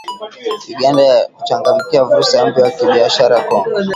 Uganda kuchangamkia fursa mpya za kibiashara Kongo